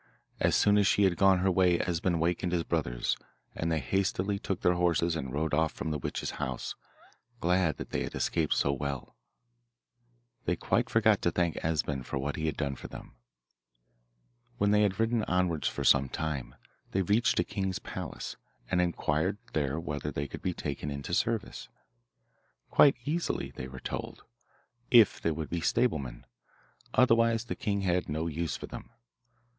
As soon as she had gone her way Esben wakened his brothers, and they hastily took their horses and rode off from the witch's house, glad that they had escaped so well. They quite forgot to thank Esben for what he had done for them. When they had ridden onwards for some time they reached a king's palace, and inquired there whether they could be taken into service. Quite easily, they were told, if they would be stablemen, otherwise the king had no use for them.